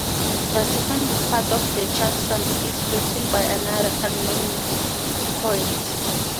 The second part of the "Chanson" is written by another, unknown, poet.